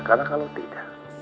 karena kalau tidak